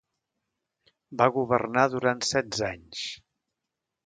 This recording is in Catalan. Va governar durant setze anys.